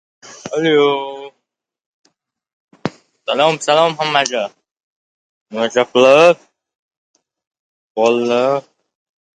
Taroveh, xatmi Qur’on ibodatlarini o‘tkazish bo‘yicha yangi tartiblar e’lon qilindi